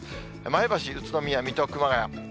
前橋、宇都宮、水戸、熊谷。